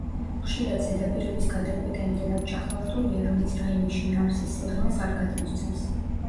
ხშირად ზედაპირების გადაკვეთა იმდენად ჩახლართულია, რომ ის რაიმე შინაარსის სიღრმეს არ გადმოსცემს.